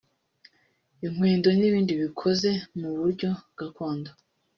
inkwendo n’ibindi bikoze mu buryo gakondo